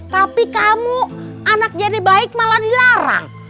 tapi kamu anak jadi baik malah dilarang